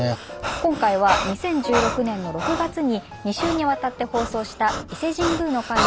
今回は２０１６年の６月に２週にわたって放送した伊勢神宮の回を１本にまとめてお送りします。